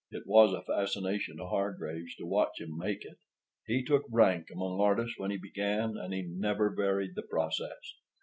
It was a fascination to Hargraves to watch him make it. He took rank among artists when he began, and he never varied the process.